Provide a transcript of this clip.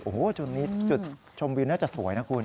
โอ้โหจุดนี้จุดชมวิวน่าจะสวยนะคุณ